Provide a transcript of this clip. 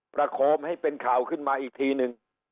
โคมให้เป็นข่าวขึ้นมาอีกทีนึง